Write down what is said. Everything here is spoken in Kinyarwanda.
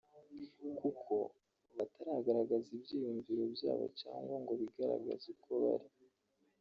kuko batagaragaza ibyiyumviro byabo cyangwa ngo bigaragaze uko bari